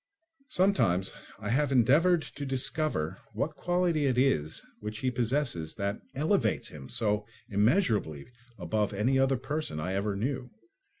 Sometimes I have endeavoured to discover what quality it is which he possesses that elevates him so immeasurably above any other person I ever knew.